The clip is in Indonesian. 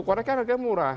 koreknya harganya murah